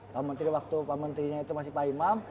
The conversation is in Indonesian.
pak menteri waktu pak menterinya itu masih pak imam